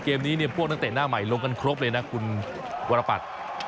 เกมนี้เนี่ยพวกนักเตะหน้าใหม่ลงกันครบเลยนะคุณวรปัตย์